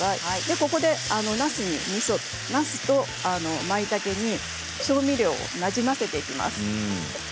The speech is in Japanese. ここで、なすとまいたけに調味料をなじませていきます。